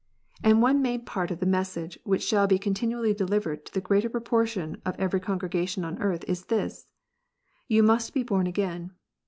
And one main part of the message which should be continually delivered to the greater portion of every congregation on earth is this : "Ye must be born again."